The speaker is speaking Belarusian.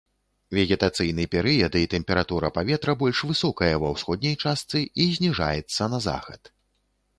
Вегетацыйны перыяд і тэмпература паветра больш высокая ва ўсходняй частцы і зніжаецца на захад.